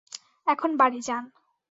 এখন বাড়ি যান।